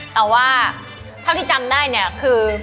แต่ว่าเท่าที่จำได้เนี่ยคือ